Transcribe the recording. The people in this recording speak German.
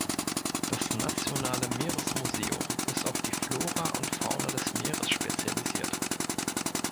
Das Nationale Meeresmuseum ist auf die Flora und Fauna des Meeres spezialisiert.